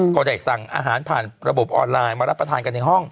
ก็ได้สั่งอาหารผ่านระบบออนไลน์มารับประทานกันในห้อง